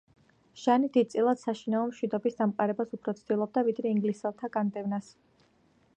ჟანი დიდწილად საშინაო მშვიდობის დამყარებას უფრო ცდილობდა, ვიდრე ინგლისელთა განდევნას.